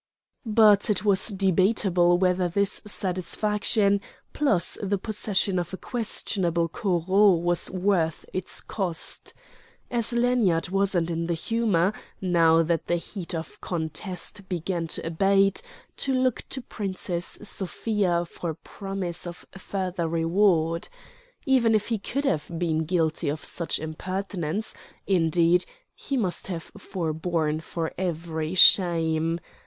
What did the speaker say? But it was debatable whether this satisfaction plus the possession of a questionable Corot was worth its cost. And Lanyard wasn't in the humour, now that the heat of contest began to abate, to look to Princess Sofia for promise of further reward. Even if he could have been guilty of such impertinence, indeed, he must have forborne for very shame.